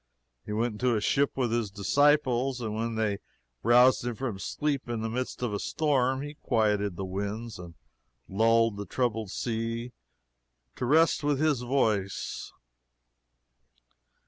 He went into a ship with his disciples, and when they roused him from sleep in the midst of a storm, he quieted the winds and lulled the troubled sea to rest with his voice.